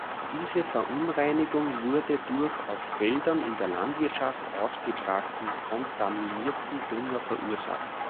Diese Verunreinigung wurde durch auf Feldern in der Landwirtschaft ausgebrachten kontaminierten Dünger verursacht.